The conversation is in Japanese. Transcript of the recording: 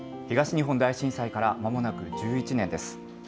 東日本大震災からまもなく１１年です。